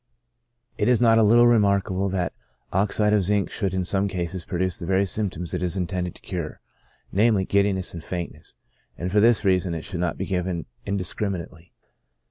It is not a little remarkable that oxide of zinc should in some cases produce the very symptoms it is intended to cure, namely, giddiness and faintness ; and for this reason it should not be given indiscriminately.